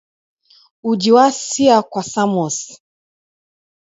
Uji wasia kwa samosi